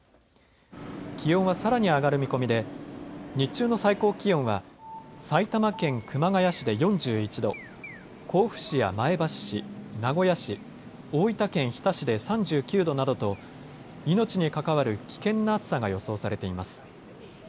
気温はさらに上がる見込みで日中の最高気温は埼玉県熊谷市で４１度、甲府市や前橋市、名古屋市、大分県日田市で３９度などと命に関わる危険な暑さが予想されています。